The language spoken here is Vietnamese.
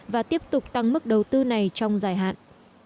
và tiếp tục tăng mức đầu tư này trong dài hạn